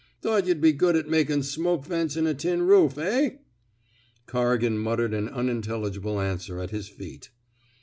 Thought yuh'd be good at makin' smoke vents in a tin roof, eh? '' Corrigan muttered an unintelligible answer at his feet.